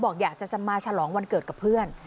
บอกอยากจะมาฉลองวันเกิดกับเพื่อน